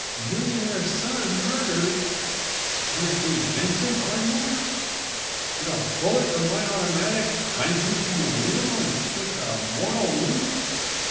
"Millionaire's son murdered? Can it be Vincent Ardmore? Did a bullet from my automatic, glancing80 from the wheel, inflict a mortal wound?"